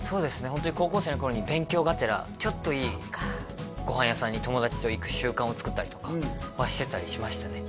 ホントに高校生の頃に勉強がてらちょっといいご飯屋さんに友達と行く習慣を作ったりとかはしてたりしましたね